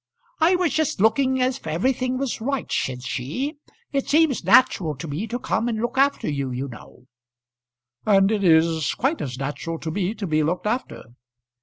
"I was just looking if everything was right," said she. "It seems natural to me to come and look after you, you know." "And it is quite as natural to me to be looked after."